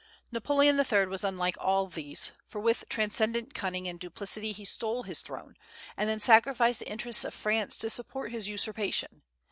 Napoleon III. was unlike all these, for with transcendent cunning and duplicity he stole his throne, and then sacrificed the interests of France to support his usurpation.